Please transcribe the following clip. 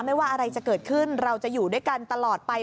ไม่ว่าอะไรจะเกิดขึ้นเราจะอยู่ด้วยกันตลอดไป